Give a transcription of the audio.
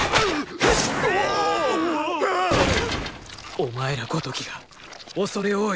お前らごときが畏れ多い！